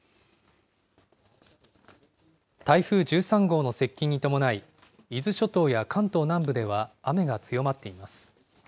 台風１３号の接近に伴い、伊豆諸島や関東南部では雨が強まっています。